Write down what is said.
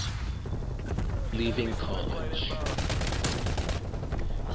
LEAVING COLLEGE.